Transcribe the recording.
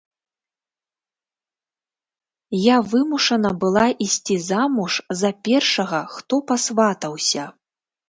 Я вымушана была ісці замуж за першага, хто пасватаўся.